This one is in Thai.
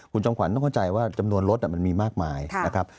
คุณจอมขวัญต้องเข้าใจว่าจำนวนรถมันมีมากมายนะครับ